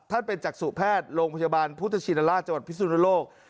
ท่านเป็นจักษุแพทย์โรงพยาบาลพุทธชินราชจังหวัดพิสุนโลก